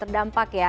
terlalu terdampak ya